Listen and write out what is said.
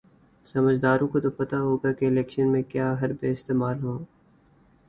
سمجھداروں کو تو پتا ہوگا کہ الیکشن میں کیا حربے استعمال ہوں۔